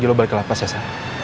biar aja lo balik ke lapas ya sa